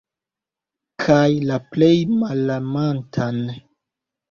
Kaj la plej malamantan.